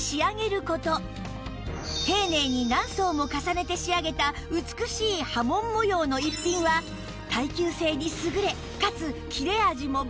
丁寧に何層も重ねて仕上げた美しい波紋模様の逸品は耐久性に優れかつ切れ味も抜群！